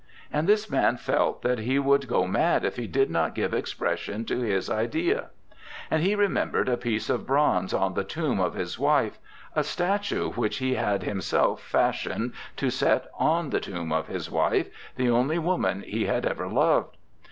And this man felt that he would go mad if he did not give expression to his idea. And he remembered a piece of bronze on the tomb of his wife, a statue which he had himself fashioned to set on the tomb of his wife, the only woman he had ever loved.